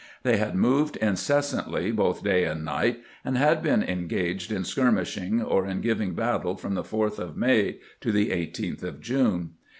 They had moved incessantly both day and night, and had been engaged in skirmishing or in giving battle from the 4th of May to the 18th of June.